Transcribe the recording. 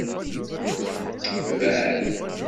Tebɛed.